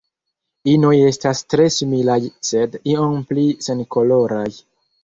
Inoj estas tre similaj sed iom pli senkoloraj.